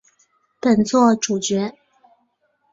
本作主角。